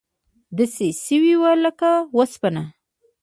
داسې شوي وې لکه وسپنه.